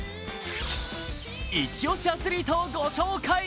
イチ押しアスリートをご紹介。